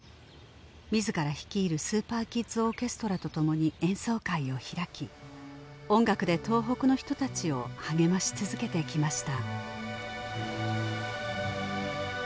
自ら率いるスーパーキッズ・オーケストラと共に演奏会を開き音楽で東北の人たちを励まし続けてきました